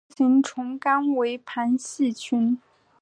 核形虫纲为旁系群。